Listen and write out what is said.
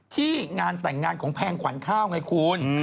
ที่งานแต่งงานของแพงขวัญข้าวไงคุณ